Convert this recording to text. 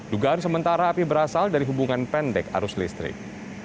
dugaan sementara api berasal dari hubungan pendek arus listrik